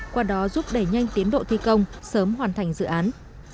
qua đó giúp đẩy nhanh tiến độ thi công sớm hoàn thành dự án